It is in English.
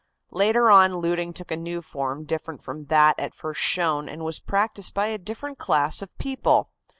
Later on looting took a new form different from that at first shown and was practiced by a different class of people.